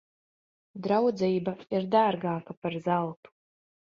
Draudzība ir dārgāka par zeltu.